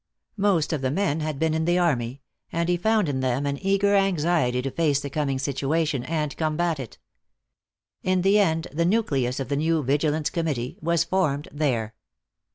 Most of the men had been in the army, and he found in them an eager anxiety to face the coming situation and combat it. In the end the nucleus of the new Vigilance Committee was formed there.